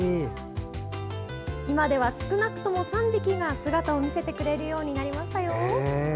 今では少なくとも３匹が、姿を見せてくれるようになりました。